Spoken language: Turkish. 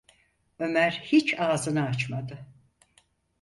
Ömer hiç ağzını açmadı.